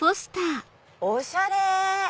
おしゃれ！